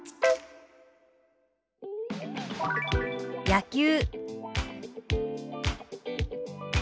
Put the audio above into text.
「野球」。